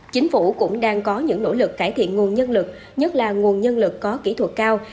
chính phủ cũng đang có những nỗ lực cải thiện nguồn nhân lực nhất là nguồn nhân lực có kỹ thuật cao